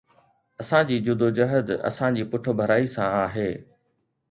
اسان جي جدوجهد اسان جي پٺڀرائي سان آهي.